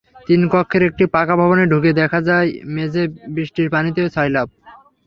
তিন কক্ষের একটি পাকা ভবনে ঢুকে দেখা যায়, মেঝে বৃষ্টির পানিতে সয়লাব।